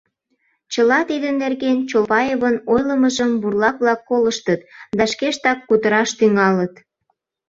Чыла тидын нерген Чолпаевын ойлымыжым бурлак-влак колыштыт да шкештак кутыраш тӱҥалыт.